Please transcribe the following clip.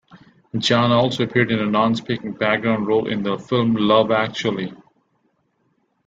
John also appeared in a non-speaking, background role in the film "Love Actually".